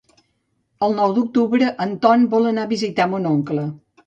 El nou d'octubre en Ton vol anar a visitar mon oncle.